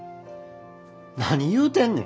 何言うてんねん。